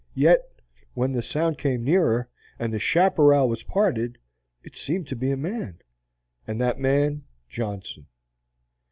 Yet, when the sound came nearer, and the chaparral was parted, it seemed to be a man, and that man Johnson.